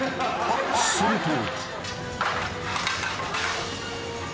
［すると］